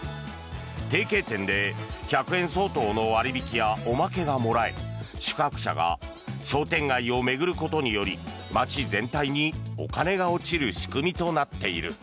提携店で１００円相当の割引やおまけがもらえ宿泊者が商店街を巡ることにより街全体にお金が落ちる仕組みとなっている。